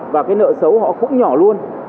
và cái nợ xấu họ cũng nhỏ luôn